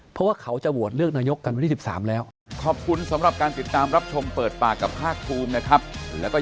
เพราะว่าเขาจะโหวตเลือกนายกกันวันที่๑๓แล้ว